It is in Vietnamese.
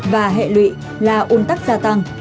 và hệ lụy là un tắc gia tăng